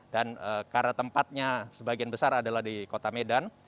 dan karena tempatnya sebagian besar adalah di kota medan